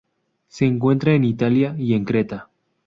Se encuentra en Italia y en Creta.